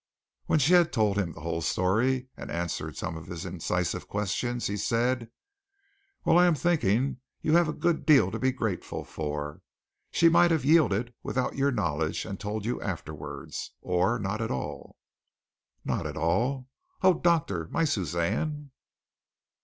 When she had told him the whole story, and answered some of his incisive questions, he said: "Well, I am thinking you have a good deal to be grateful for. She might have yielded without your knowledge and told you afterwards or not at all." "Not at all. Oh, doctor! My Suzanne!"